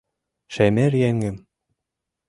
Шемер еҥым